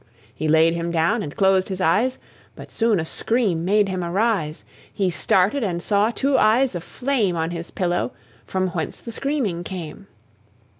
He laid him down, and closed his eyes; But soon a scream made him arise: He started and saw two eyes of flame On his pillow, from whence the screaming came.